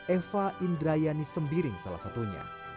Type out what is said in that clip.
eva indrayani sembiring salah satunya